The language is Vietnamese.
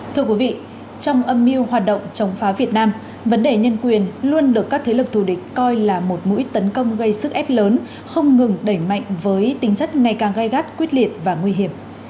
thưa quý vị trong âm mưu hoạt động chống phá việt nam vấn đề nhân quyền luôn được các thế lực thù địch coi là một mũi tấn công gây sức ép lớn không ngừng đẩy mạnh với tính chất ngày càng gai gắt quyết liệt và nguy hiểm